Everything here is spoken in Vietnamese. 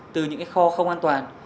từ những cái kho không an toàn